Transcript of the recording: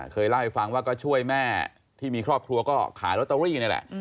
เคยเล่าให้ฟังว่าก็ช่วยแม่ที่มีครอบครัวก็ขายลอตเตอรี่นี่แหละ